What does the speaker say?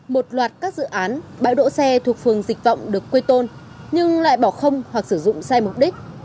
một loạt các dự án bãi đỗ xe thuộc phường dịch vọng được quây tôn nhưng lại bỏ không hoặc sử dụng sai mục đích